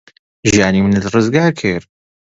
ژیانی منت ڕزگار کرد.